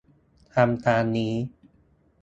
ทำตามนี้